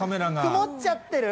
曇っちゃってる？